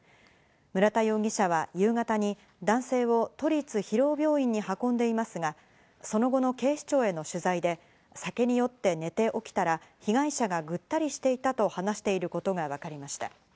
村田容疑者は夕方に男性を都立広尾病院に運んでいますが、その後の警視庁への取材で、酒に酔って寝て起きたら被害者がぐったりしていたと話していることがわかりました。